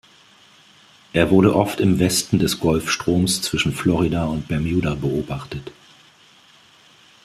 Er wurde oft im Westen des Golfstroms zwischen Florida und Bermuda beobachtet.